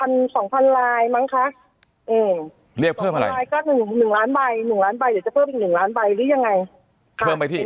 ๑ล้านใบเดี๋ยวจะเพิ่มอีก๑ล้านใบหรือยังไง